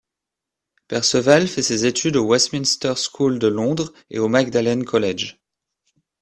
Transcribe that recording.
Perceval fait ses études au Westminster School de Londres, et au Magdalen College.